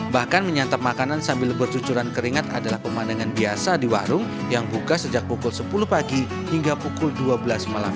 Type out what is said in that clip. bahkan menyantap makanan sambil bercucuran keringat adalah pemandangan biasa di warung yang buka sejak pukul sepuluh pagi hingga pukul dua belas malam